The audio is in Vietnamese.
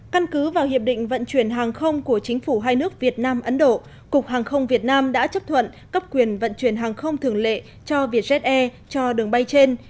căn cứ vào hiệp định vận chuyển hàng không của chính phủ hai nước việt nam ấn độ cục hàng không việt nam đã chấp thuận cấp quyền vận chuyển hàng không thường lệ cho vietjet air cho đường bay trên